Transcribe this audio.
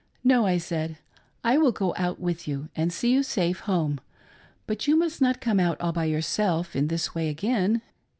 " No," I said, " I will, go with you and see you safe home, but you must not come out> all by yourself in this way again."